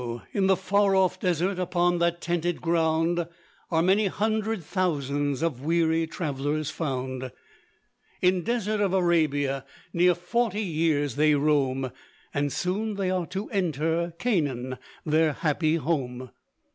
in the far off desert, Upon that tented ground, Are many hundred thousands Of weary travellers found. In desert of Arabia, Near forty years they roam; And soon they are to enter "Canaan their happy home."